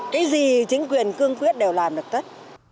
cái gì chính quyền cương quyết đều làm được tất